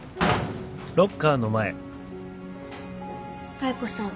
妙子さん。